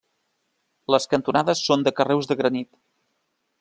Les cantonades són de carreus de granit.